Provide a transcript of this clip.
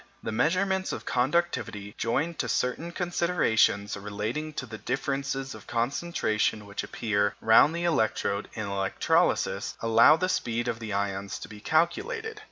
The measurements of conductivity, joined to certain considerations relating to the differences of concentration which appear round the electrode in electrolysis, allow the speed of the ions to be calculated.